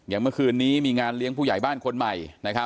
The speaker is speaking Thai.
เมื่อคืนนี้มีงานเลี้ยงผู้ใหญ่บ้านคนใหม่